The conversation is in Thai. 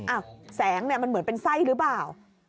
แสงเนี่ยมันเหมือนเป็นไส้หรือเปล่า